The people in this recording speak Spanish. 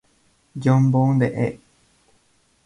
John Boone de E!